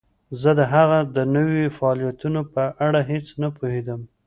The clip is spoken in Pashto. زه د هغه د نویو فعالیتونو په اړه هیڅ نه پوهیدم